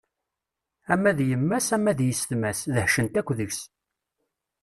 Ama d yemma-s, ama d yessetma-s, dehcent akk deg-s.